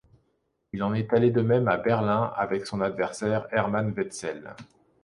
Il en est allé de même à Berlin avec son adversaire Herman Wetzel.